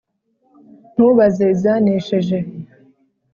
ntubaze izanesheje,